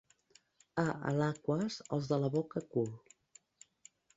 A Alaquàs, els de la boca cul.